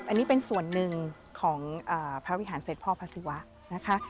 อันนี้เป็นส่วนหนึ่งของพระวิหารเสร็จพ่อพระศิวะนะคะ